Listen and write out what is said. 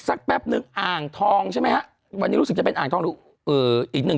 แป๊บนึงอ่างทองใช่ไหมฮะวันนี้รู้สึกจะเป็นอ่างทองเอ่ออีกหนึ่ง